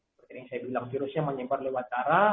seperti yang saya bilang virusnya menyebar lewat cara